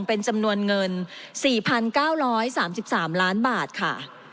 เป็นจำนวนเงิน๔๙๓๓ล้านบาทค่ะ